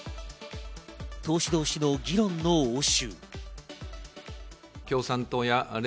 党首同士の議論の応酬。